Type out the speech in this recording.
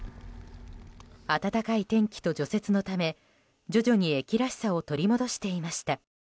暖かい天気と除雪のため徐々に駅らしさを取り戻していました。